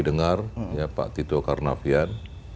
dengar pak tito karnavian